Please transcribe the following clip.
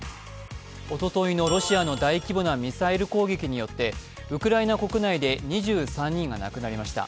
おとといのロシアのミサイルの大規模攻撃によってウクライナ国内で２３人が亡くなりました。